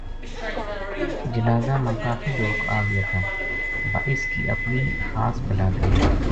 جنازہ ما کافی لوک آگیا تھا با اس کی اپنی خاص بلادری